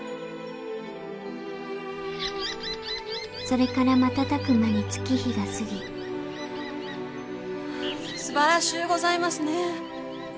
それから瞬く間に月日が過ぎすばらしゅうございますね。